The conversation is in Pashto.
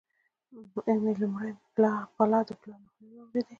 مي لومړی پلا د پلار له خولې واروېدې،